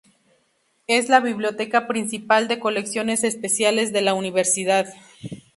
Es la biblioteca principal de colecciones especiales de la universidad.